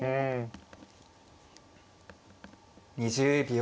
２０秒。